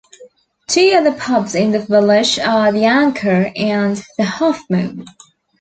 Two other pubs in the village are The Anchor and The Half Moon.